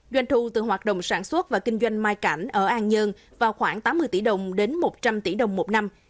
doanh thu từ hoạt động sản xuất và kinh doanh mai cảnh ở an dơn vào khoảng tám mươi tỷ đồng đến một trăm linh tỷ đồng một năm